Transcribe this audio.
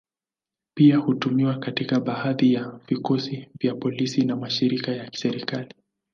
Pia hutumiwa katika baadhi ya vikosi vya polisi na mashirika ya kiserikali.